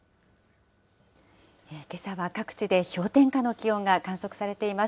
けさは各地で氷点下の気温が観測されています。